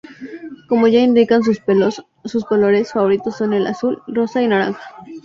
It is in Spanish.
Como ya indican sus pelos, sus colores favoritos son el azul, rosa y naranja.